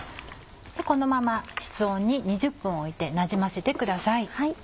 このまま室温に２０分おいてなじませてください。